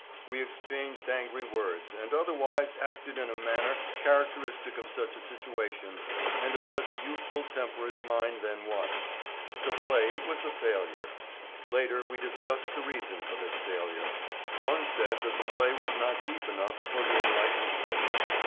We exchanged angry words and otherwise acted in a manner characteristic of such a situation and of such a youthful temper as mine then was. The play was a failure. Later we discussed the reason for this failure. One said that the play was not deep enough for the enlightened public.